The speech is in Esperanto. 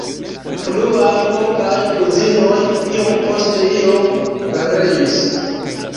Pluaj lokaj uzinoj iom post iom pereis.